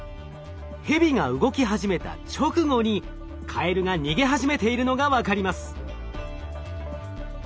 ヘビが動き始めた直後にカエルが逃げ始めているのが分かります。